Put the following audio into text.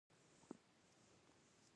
ویل یې لږ نور هم مخکې ورشه ښی لاسته.